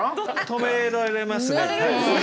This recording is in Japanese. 止められますね。